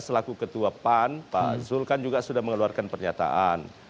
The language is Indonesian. selaku ketua pan pak zulkarn juga sudah mengeluarkan pernyataan